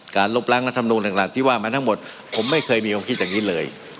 การลบล้างกระทรวงโดยงานต่างที่ว่ามันทั้งหมดผมไม่เคยมีความคิดแบบนี้เลย